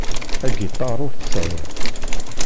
Agiṭar ur t-sεiɣ.